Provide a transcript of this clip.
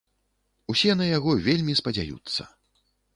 Усе на яго вельмі спадзяюцца.